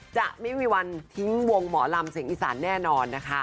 จะไม่มีวันทิ้งวงหมอลำเสียงอีสานแน่นอนนะคะ